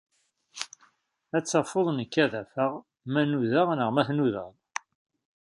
Ad tafeḍ nekk ad afeɣ, ma nudeɣ neɣ ma tnudaḍ.